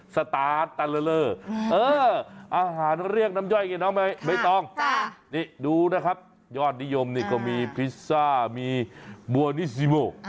สตาร์ทตาเลอร์อาหารก็เรียกน้ำย่อยไหมดูนะครับยอดนิยมมีพิซซ่ามีบวานิซิโบ